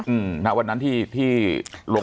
อืมวันนั้นที่โรงพักษณ์ที่ระยอง